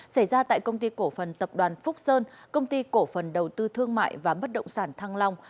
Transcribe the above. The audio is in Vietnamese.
xảy ra tại công ty cổ phần tập đoàn phúc sơn công ty cổ phần đầu tư thương mại và bất động sản thăng long